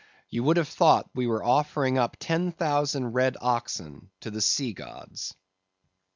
You would have thought we were offering up ten thousand red oxen to the sea gods.